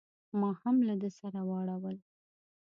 ما هم له ده سره واړول.